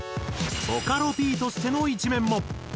ボカロＰとしての一面も。